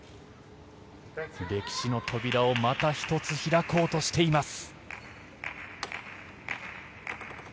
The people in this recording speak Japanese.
歴史の扉をまた１つ開こうとしています。